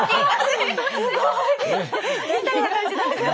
すごい！みたいな感じなんですよ。